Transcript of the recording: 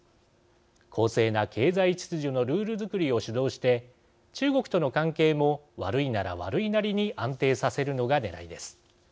公正な経済秩序のルールづくりを主導して中国との関係も悪いなら悪いなりに安定させるのがねらいです。